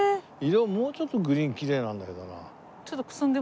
色もうちょっとグリーンきれいなんだけどな。